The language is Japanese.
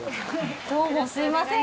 どうもすみません